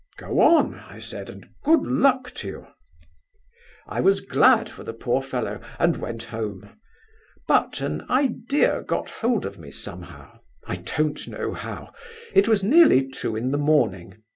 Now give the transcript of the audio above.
'Go on,' I said, 'and good luck to you.' "I was glad for the poor fellow, and went home. But an idea got hold of me somehow. I don't know how. It was nearly two in the morning.